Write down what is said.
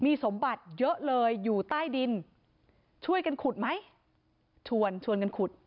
มีสมบัติเยอะเลยอยู่ใต้ดินช่วยกันขุดไหมชวนชวนกันขุด